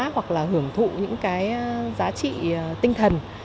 hoặc là hưởng thụ những cái giá trị tinh thần